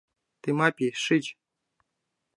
Тымапи, шич!